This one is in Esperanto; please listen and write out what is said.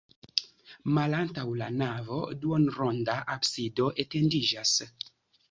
Malantaŭ la navo duonronda absido etendiĝas.